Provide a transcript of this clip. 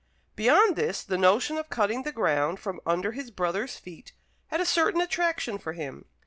Beyond this, the notion of cutting the ground from under his brother's feet had a certain attraction for him.